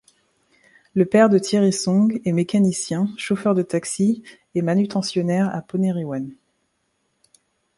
Le père de Thierry Song est mécanicien, chauffeur de taxi et manutentionnaire à Ponérihouen.